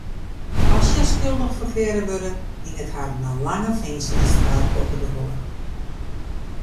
As hja skuldich ferklearre wurde, hinget harren in lange finzenisstraf boppe de holle.